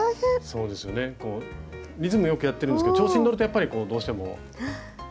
そうですよねリズムよくやってるんですけど調子に乗るとやっぱりこうどうしてもね。